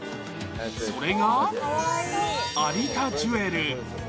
それが、アリタジュエル。